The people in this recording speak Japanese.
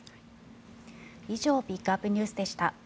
以上ピックアップＮＥＷＳでした。